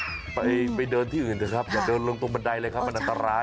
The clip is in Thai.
จริงไปเดินที่อื่นนะครับอย่าเดินลงตรงบันไดเลยอันตราย